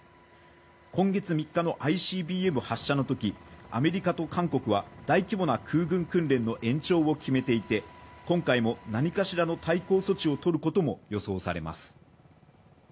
今月３日のＩＣＢＭ発射のときアメリカと韓国は大規模な空軍訓練の延長を決めていて今回も何かしらの対抗措置を取ることも予想されます。